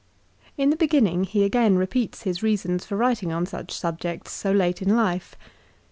In the beginning he again repeats his reasons for writing on such subjects so late in life.